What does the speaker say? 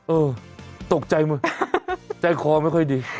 เออตกใจมึงใจคอไม่ค่อยดี